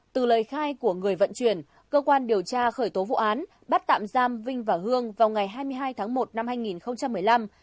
từ lời khai của người vận chuyển cơ quan điều tra khởi tố vụ án bắt tạm giam vinh và hương vào ngày hai mươi hai tháng một năm hai nghìn một mươi năm